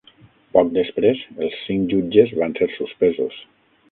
Poc després, els cinc jutges van ser suspesos.